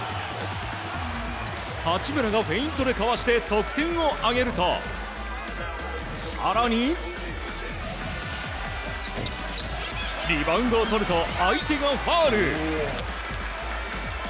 八村がフェイントでかわして得点を挙げると更に、リバウンドをとると相手がファウル。